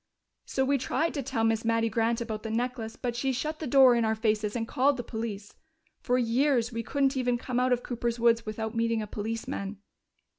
So we tried to tell Miss Mattie Grant about the necklace, but she shut the door in our faces and called the police. For years we couldn't even come out of Cooper's woods without meeting a policeman.